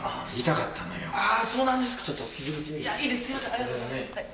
ありがとうございますはい。